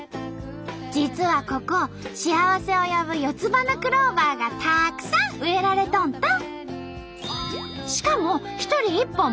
実はここ幸せを呼ぶ四つ葉のクローバーがたくさん植えられとんと！